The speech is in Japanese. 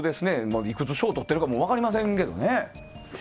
もう、いくつ賞とってるかも分かりませんけどね。